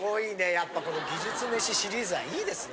やっぱこの技術めしシリーズはいいですね。